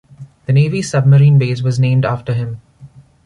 The navy's submarine base was named after him.